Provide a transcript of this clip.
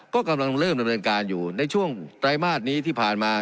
ก็กำลังเริ่มดำเนินการอยู่ในช่วงไตรมาสนี้ที่ผ่านมา